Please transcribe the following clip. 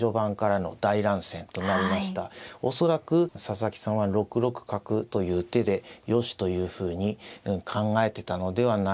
恐らく佐々木さんは６六角という手でよしというふうに考えてたのではないでしょうか。